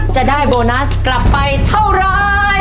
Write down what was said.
จะได้โบนัสกลับไปเท่าไร